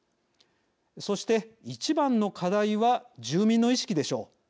そして、一番の課題は住民の意識でしょう。